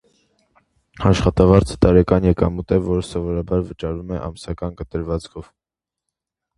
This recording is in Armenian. Աշխատավարձը տարեկան եկամուտն է, որը սովորաբար վճարվում է ամսական կտրվածքով։